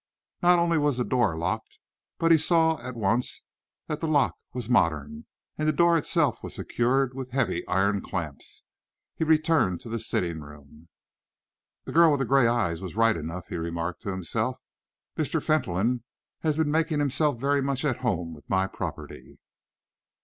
Not only was the door locked, but he saw at once that the lock was modern, and the door itself was secured with heavy iron clamps. He returned to the sitting room. "The girl with the grey eyes was right enough," he remarked to himself. "Mr. Fentolin has been making himself very much at home with my property."